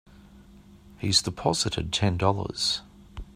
He's deposited Ten Dollars.